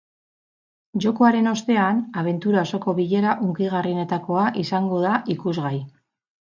Jokoaren ostean, abentura osoko bilera hunkigarrienetakoa izango da ikusgai.